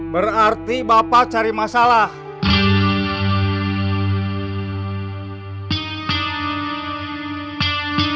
berarti bapak tidak mau jual rumah dan tanah bapak